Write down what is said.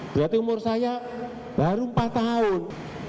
berarti umur saya baru empat tahun